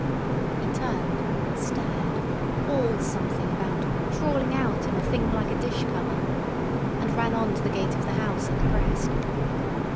He turned, stared, bawled something about "crawling out in a thing like a dish cover," and ran on to the gate of the house at the crest.